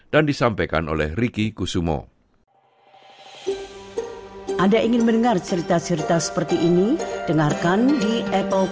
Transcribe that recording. dan juga kemampuan untuk orang lain yang memiliki masalah dengan budaya